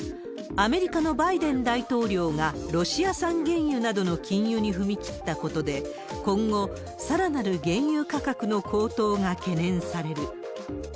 アメリカのバイデン大統領がロシア産原油などの禁輸に踏み切ったことで、今後、さらなる原油価格の高騰が懸念される。